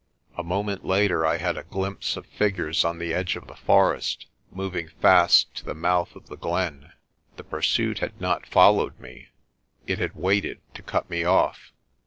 A moment later I had a glimpse of figures on the edge of the forest, moving fast to the mouth of the glen. The pursuit had not followed me ; it had waited to cut me off.